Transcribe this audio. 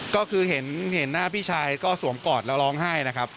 ก็คือเห็นหน้าพี่ชายก็สวมกอดแล้วร้องไห้นะครับ